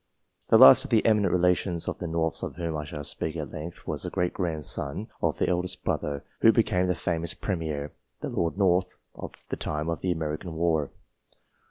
The last of the eminent relations of the Norths of whom I shall speak at length, was the great grandson of the eldest brother, who became the famous Premier the Lord North of the time of the American war.